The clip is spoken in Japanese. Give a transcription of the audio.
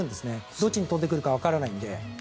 どっちに飛んでくるかわからないので。